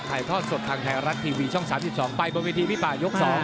ทอดสดทางไทยรัฐทีวีช่อง๓๒ไปบนเวทีพี่ป่ายก๒